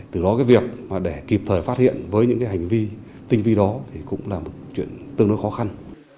từ đó việc để kịp thời phát hiện với những hành vi tinh vi đó cũng là một chuyện tương đối khó khăn